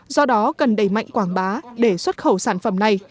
do đó cần đẩy mạnh quảng bá để xuất khẩu sản phẩm này